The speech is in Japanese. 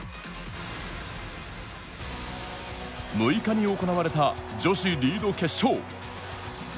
６日に行われた女子リード決勝。